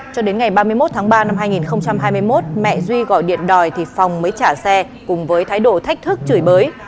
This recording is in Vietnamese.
cho đến ngày ba mươi một tháng ba năm hai nghìn hai mươi một mẹ duy gọi điện đòi thì phòng mới trả xe cùng với thái độ thách thức chửi bới